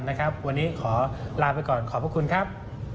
วันนี้ขอลาไปก่อนขอบพระคุณครับ